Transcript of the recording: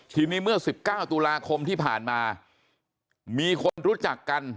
ทีนี้เมื่อ๑๙ตุลาคมที่ผ่านมามีคนรู้จักกัน